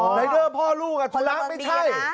อ๋อไลเจอร์พ่อลูกทุละไม่ใช่